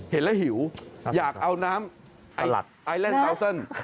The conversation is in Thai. เห็นแล้วหิวอยากเอาน้ำไอแลนดเตาเซิล